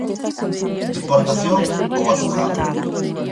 Deportación ou a xogar.